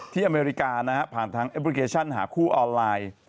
อเมริกานะฮะผ่านทางแอปพลิเคชันหาคู่ออนไลน์